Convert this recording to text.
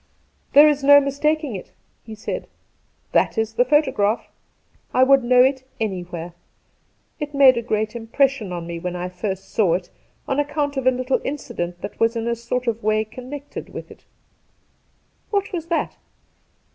' There is no mistaking it,' he said ;' that is the photograph. I would know it anywhere. It made a great impression on me when I first saw it on account of a little incident that was m a sort of way connected with it.' ' What was that